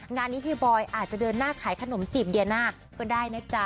งานนี้พี่บอยอาจจะเดินหน้าขายขนมจีบเดียน่าก็ได้นะจ๊ะ